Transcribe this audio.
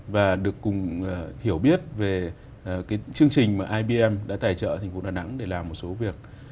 và được cùng hiểu biết về cái chương trình mà ibm đã tài trợ thành phố đà nẵng để làm một số việc